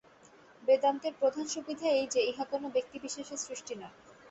বেদান্তের প্রধান সুবিধা এই যে, ইহা কোন ব্যক্তিবিশেষের সৃষ্টি নয়।